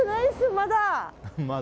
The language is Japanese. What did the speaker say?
まだ。